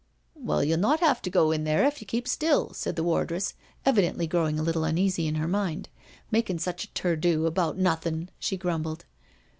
•• Well, you'll not have to go there if you keep still/' said the wardress, evidently growing a little un easy in her mind, " makin' such a terdo about no thin'," she grumbled.